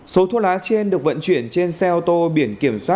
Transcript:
số thuốc lá trên được vận chuyển trên xe ô tô biển kiểm soát